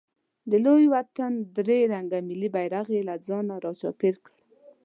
د لوی وطن درې رنګه ملي بیرغ یې له ځانه راچاپېر کړ.